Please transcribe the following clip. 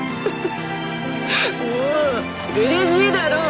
もううれしいだろう？